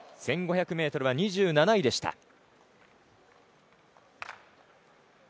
１５００ｍは２７位でした。